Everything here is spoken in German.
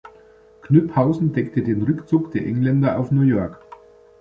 Knyphausen deckte den Rückzug der Engländer auf New York.